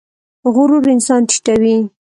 غرور انسان ټیټوي